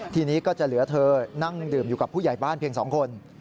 ทีนี้ก็จะเหลือเธอนั่งดื่มอยู่กับผู้ใหญ่บ้านเพียง๒คน